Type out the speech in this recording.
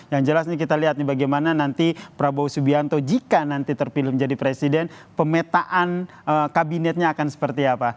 yang jelas ini kita lihat nih bagaimana nanti prabowo subianto jika nanti terpilih menjadi presiden pemetaan kabinetnya akan seperti apa